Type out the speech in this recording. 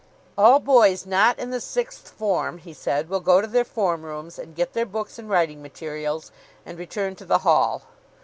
"All boys not in the Sixth Form," he said, "will go to their form rooms and get their books and writing materials, and return to the Hall."